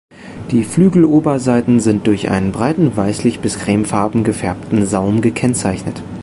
Die Flügeloberseiten sind durch einen breiten weißlich bis cremefarben gefärbten Saum gekennzeichnet.